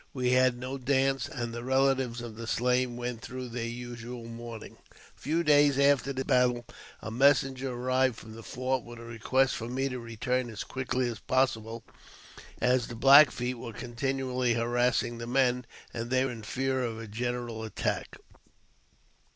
We had no dance, and the relatives of the slain went through their usual mourning. A few days after this battle a messenger arrived from the fort with a request for me to return as quickly as possible, as the Black Feet were continually harassing the men, and they were in fear of a general attack.